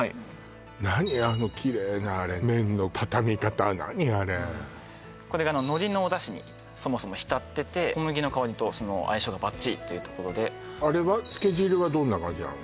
何あのきれいな麺のたたみ方何あれこれが海苔のお出汁にそもそも浸ってて小麦の香りと相性がばっちりというところでつけ汁はどんな感じなの？